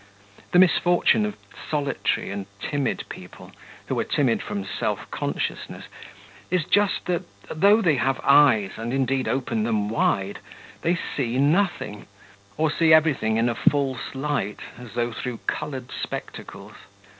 The misfortune of solitary and timid people who are timid from self consciousness is just that, though they have eyes and indeed open them wide, they see nothing, or see everything in a false light, as though through coloured spectacles.